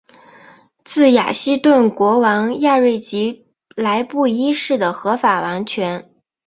自雅西顿国王亚瑞吉来布一世的合法王权。